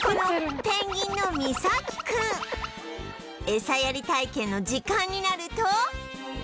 エサやり体験の時間になると